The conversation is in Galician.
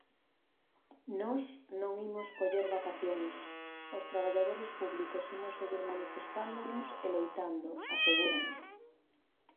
"Nós non imos coller vacacións; os traballadores públicos imos seguir manifestándonos e loitando", aseguran.